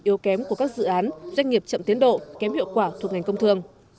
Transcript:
yếu kém của các dự án doanh nghiệp chậm tiến độ kém hiệu quả thuộc ngành công thương